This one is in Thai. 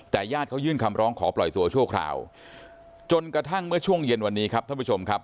แต่ญาติเขายื่นคำร้องขอปล่อยตัวชั่วคราวจนกระทั่งเมื่อช่วงเย็นวันนี้ครับท่านผู้ชมครับ